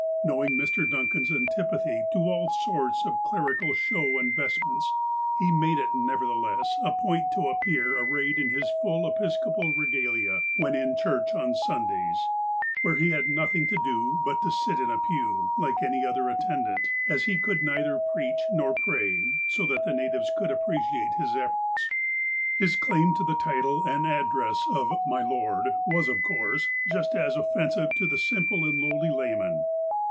Knowing Mr. Duncan's antipathy to all sorts of clerical show and vestments, he made it, nevertheless, a point to appear arrayed in his full episcopal regalia, when in church on Sundays, where he had nothing to do but to sit in a pew, like any other attendant, as he could neither preach nor pray, so that the natives could appreciate his efforts. His claim to the title and address of " My Lord " was, of course, just as offensive to the simple and lowly layman.